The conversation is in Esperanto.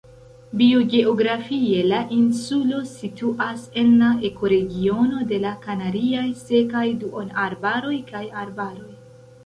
Biogeografie la insulo situas en la ekoregiono de la kanariaj sekaj duonarbaroj kaj arbaroj.